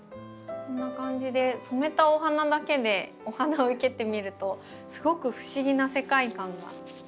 こんな感じで染めたお花だけでお花を生けてみるとすごく不思議な世界観が。